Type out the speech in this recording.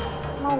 gak ada apa apa